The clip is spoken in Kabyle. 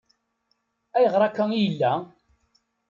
Ayɣer akka i yella?